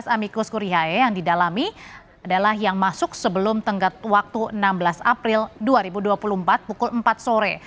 amikus kurihae yang didalami adalah yang masuk sebelum tenggat waktu enam belas april dua ribu dua puluh empat pukul empat sore